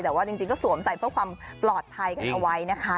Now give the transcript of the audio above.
แต่ว่าจริงก็สวมใส่เพื่อความปลอดภัยกันเอาไว้นะคะ